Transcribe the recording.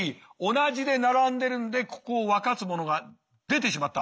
同じで並んでるんでここを分かつものが出てしまった。